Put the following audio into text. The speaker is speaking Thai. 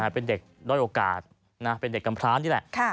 เป็นเด็กด้อยโอกาสเป็นเด็กกำพร้านี่แหละ